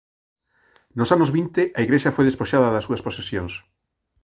Nos anos vinte a Igrexa foi despoxada das súas posesións.